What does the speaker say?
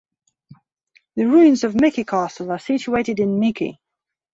The ruins of Miki Castle are situated in Miki.